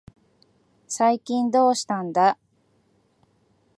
最近どうしたんだ。